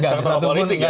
tokoh politik ya